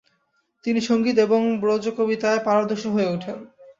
তিনি সংগীত এবং ব্রজ কবিতায় পারদর্শী হয়ে ওঠেন।